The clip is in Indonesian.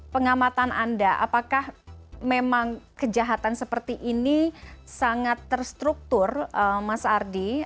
pengamatan anda apakah memang kejahatan seperti ini sangat terstruktur mas ardi